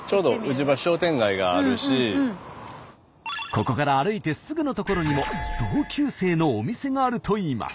ここから歩いてすぐの所にも同級生のお店があるといいます。